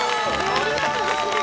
ありがとうございます。